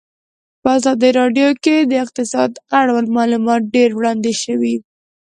په ازادي راډیو کې د اقتصاد اړوند معلومات ډېر وړاندې شوي.